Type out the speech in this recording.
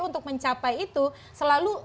untuk mencapai itu selalu